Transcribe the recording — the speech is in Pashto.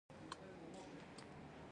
توره او سپر دلته جوړیدل